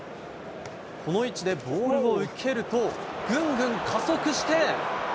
この位置でボールを受けると、ぐんぐん加速して。